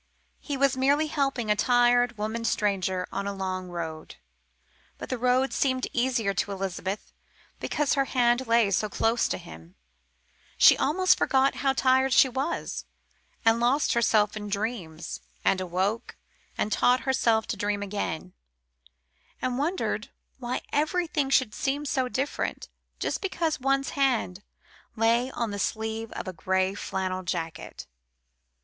He was merely helping a tired woman stranger on a long road. But the road seemed easier to Elizabeth because her hand lay so close to him; she almost forgot how tired she was, and lost herself in dreams, and awoke, and taught herself to dream again, and wondered why everything should seem so different just because one's hand lay on the sleeve of a grey flannel jacket.